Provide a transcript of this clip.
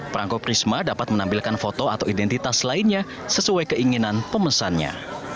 perangko prisma dapat menampilkan foto atau identitas lainnya sesuai keinginan pemesannya